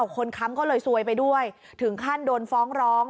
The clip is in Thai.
ค้ำก็เลยซวยไปด้วยถึงขั้นโดนฟ้องร้อง